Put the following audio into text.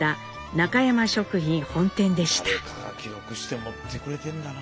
誰かが記録して持ってくれてんだな。